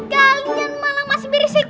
kalian malah masih berisik